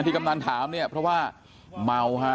ที่กำนันถามเพราะว่าเมาค่ะ